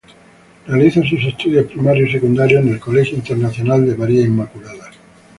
Realiza sus estudios primarios y secundarios en el Colegio Internacional de María Inmaculada.